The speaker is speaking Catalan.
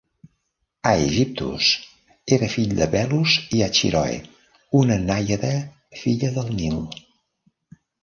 Aegyptos era fill de Belus i Achiroe, una nàiada filla del Nil.